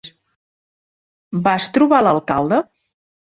Vas trobar l'alcalde?